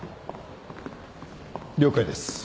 了解です